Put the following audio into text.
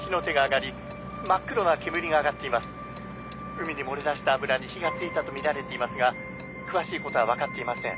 海に漏れ出した油に火がついたと見られていますが詳しいことは分かっていません」。